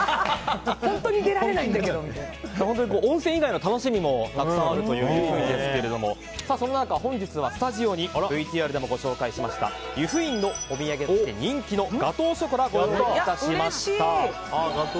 温泉以外の楽しみもたくさんあるということですけどもそんな中、本日はスタジオにＶＴＲでもご紹介しました由布院のお土産として人気のガトーショコラをご用意いたしました。